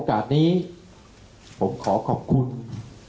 และการแสดงสมบัติของแคนดิเดตนายกนะครับ